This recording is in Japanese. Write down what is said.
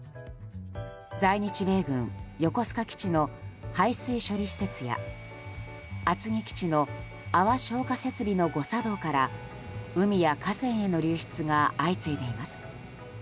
在日米軍横須賀基地の排水処理施設や厚木基地の泡消火設備の誤作動から海や河川への流出が相次いでいます。